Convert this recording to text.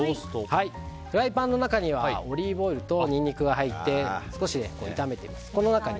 フライパンの中にはオリーブオイルとニンニクが入っていて少し炒めていきます。